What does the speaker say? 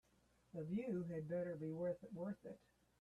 The view had better be worth it.